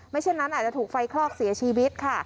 เช่นนั้นอาจจะถูกไฟคลอกเสียชีวิตค่ะ